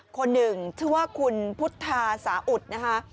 คนหนึ่งชื่อว่าคุณพุทธาสาอุดนะคะ